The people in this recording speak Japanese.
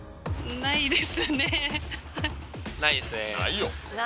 ないです。